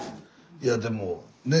いやでもね